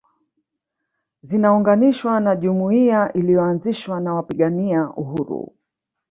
Zinaunganishwa na jumuiya iliyoanzishwa na wapigania uhuru